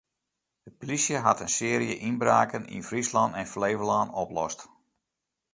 De plysje hat in searje ynbraken yn Fryslân en Flevolân oplost.